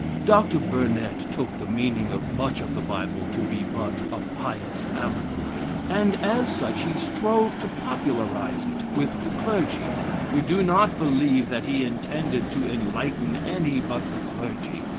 Dr. Burnet took the meaning of much of the Bible to be but a "pious allegory," and, as such, he strove to popularize it with the clergy. We do not believe that he intended to enlighten any but the clergy.